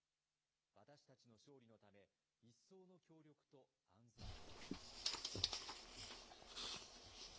私たちの勝利のため、一層の協力と安全を。